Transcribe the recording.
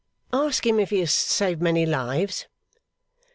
'Ask him if he has saved many lives?